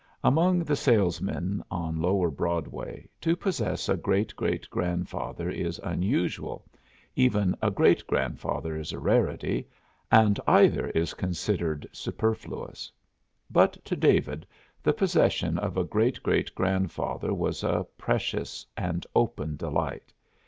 Among the salesmen on lower Broadway, to possess a great great grandfather is unusual, even a great grandfather is a rarity, and either is considered superfluous. But to David the possession of a great great grandfather was a precious and open delight.